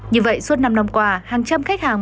như vậy suốt năm năm qua hàng trăm khách hàng